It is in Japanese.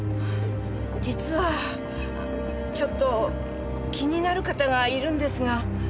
実はちょっと気になる方がいるんですが。